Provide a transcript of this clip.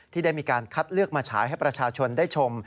ที่ได้มีการคัดเลือกมาฉายให้ประชาชนได้ชม